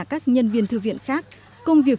các nhân viên thư viện khác công việc